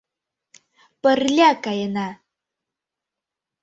Пырля каена!